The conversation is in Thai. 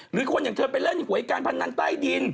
หรือคนอย่างเธอไปเล่นหวยการพนันใต้ดิน